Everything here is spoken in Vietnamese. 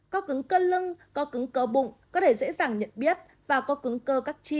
có cứng cơ lưng co cứng cơ bụng có thể dễ dàng nhận biết và có cứng cơ các chi